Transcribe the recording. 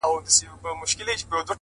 دواړه لاسه يې کړل لپه ـ